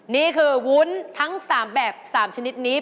นี่คือวุ้นทั้ง๓แบบ๓ชนิดนี้